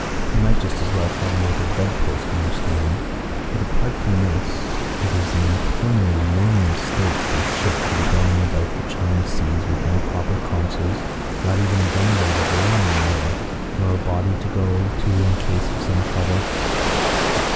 You might just as well try to make a bedpost understand. But apart from this it is an infernally lonely state for a ship to be going about the China seas with no proper consuls, not even a gunboat of her own anywhere, nor a body to go to in case of some trouble.